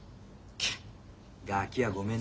ケッガキはごめんだね。